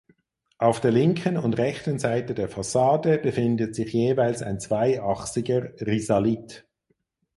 Auf der linken und rechten Seite der Fassade befindet sich jeweils ein zweiachsiger Risalit.